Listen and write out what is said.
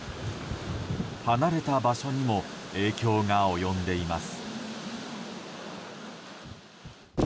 離れた場所にも影響が及んでいます。